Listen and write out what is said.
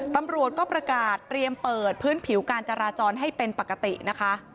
ตำรวจก็ประกาศเตรียมเปิดพื้นผิวการจราจรให้เป็นปกตินะคะ